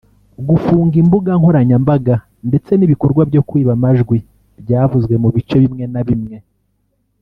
gufunga imbuga nkoranyambaga ndetse n’ibikorwa byo kwiba amajwi byavuzwe mu bice bimwe na bimwe